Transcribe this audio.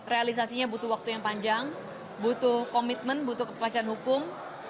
realisasinya butuh waktu yang panjang butuh komitmen butuh kepastian hukum